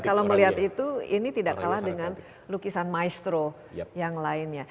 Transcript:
kalau melihat itu ini tidak kalah dengan lukisan maestro yang lainnya